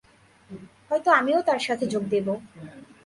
হয়তো আমিও তার সাথে যোগ দেব।